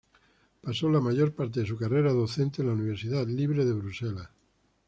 Pasó la mayor parte de su carrera docente en la Universidad Libre de Bruselas.